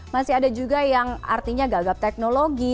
masih ada juga yang artinya gagap teknologi